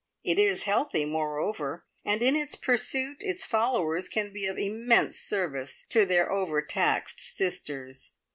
It is healthy, moreover, and in its pursuit its followers can be of immense service to their overtaxed sisters.